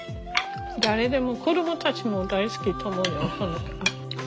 誰でも子どもたちも大好きと思うよ。